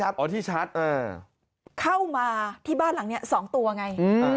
เข้ามาที่บ้านหลังนี้๒ตัวไง